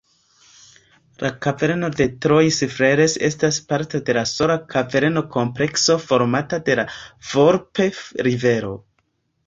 La Kaverno de Trois-Freres estas parto de sola kaverno-komplekso formata de la Volp-rivero.